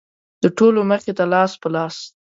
د ټولو مخې ته لاس په لاس.